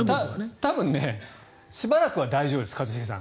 多分しばらくは大丈夫です一茂さん。